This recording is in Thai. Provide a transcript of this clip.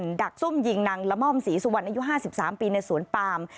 ดักซุ่มยิงนางละม่อมศรีสุวรรณอายุ๕๓ปีในสวนปาม